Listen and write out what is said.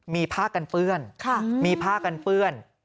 มีผ้ากันเปื้อนมีผ้ากันเปื้อน